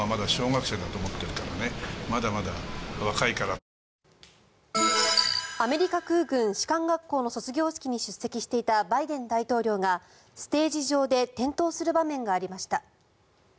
ご自身が避難したらよいかわからない場合はアメリカ空軍士官学校の卒業式に出席していたバイデン大統領がステージ上で転倒する場面がありました。